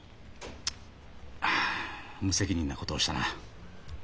ああ無責任なことをしたな。